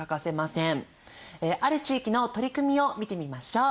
ある地域の取り組みを見てみましょう。